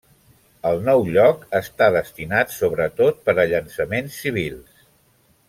El nou lloc està destinat sobretot per a llançaments civils.